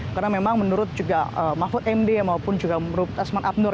karena memang menurut juga mahfud md maupun juga asman abnur